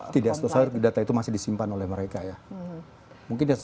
tidak selesai data itu masih disimpan oleh mereka ya